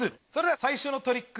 最初のトリック